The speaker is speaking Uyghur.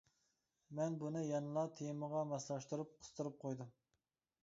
مەن بۇنى يەنىلا تېمىغا ماسلاشتۇرۇپ قىستۇرۇپ قويدۇم.